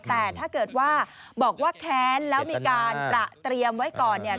แต่ถ้าเกิดว่าบอกว่าแค้นแล้วมีการตระเตรียมไว้ก่อนเนี่ย